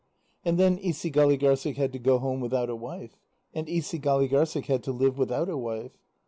And then Isigâligârssik had to go home without a wife. And Isigâligârssik had to live without a wife.